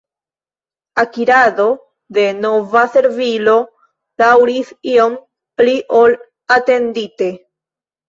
Akirado de nova servilo daŭris iom pli ol atendite.